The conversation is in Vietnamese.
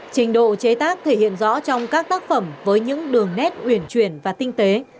trình độ chế tác thể hiện rõ trong các tác phẩm với những đường nét uyển chuyển và tinh tế